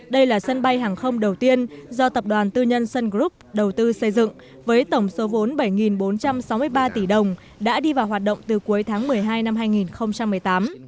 đây là sân bay hàng không đầu tiên do tập đoàn tư nhân sun group đầu tư xây dựng với tổng số vốn bảy bốn trăm sáu mươi ba tỷ đồng đã đi vào hoạt động từ cuối tháng một mươi hai năm hai nghìn một mươi tám